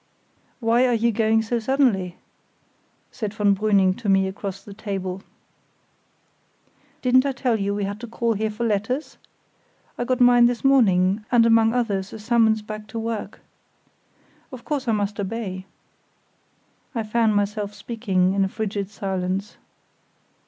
"Why are you going so suddenly?" said von Brüning to me across the table. "Didn't I tell you we had to call here for letters? I got mine this morning, and among others a summons back to work. Of course I must obey." (I found myself speaking in a frigid silence.)